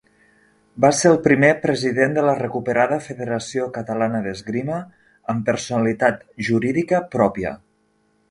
Va ser el primer president de la recuperada Federació Catalana d’Esgrima amb personalitat jurídica pròpia.